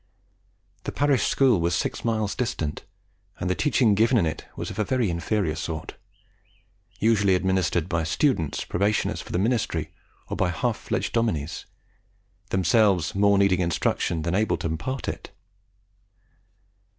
The parish school was six miles distant, and the teaching given in it was of a very inferior sort usually administered by students, probationers for the ministry, or by half fledged dominies, themselves more needing instruction than able to impart it.